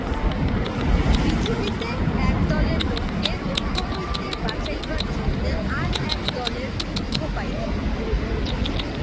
পৃথিবীতে এক দলের লোককে দুঃখ হইতে বাঁচাইবার জন্য আর-এক দলকে দুঃখ পাইতে হইবে।